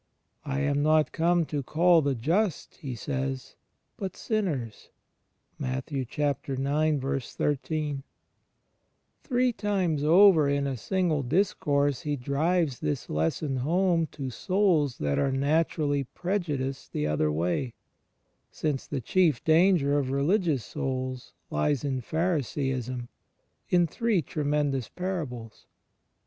"I am not come to call the just," He says, "but sinners." * Three times over in a single discourse He drives this lesson home to souls that are naturally prejudiced the other way — since the chief danger of religious souls lies in Pharisaism — in three tremendous parables.